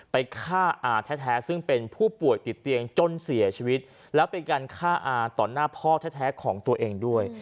ไปฆ่าอาแท้ซึ่งเป็นผู้ป่วยติดเตียงจนเสียชีวิตแล้วเป็นการฆ่าอาต่อหน้าพ่อแท้ของตัวเองด้วย